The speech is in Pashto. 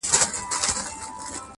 علم د تجربې نه لوړ ارزښت لري!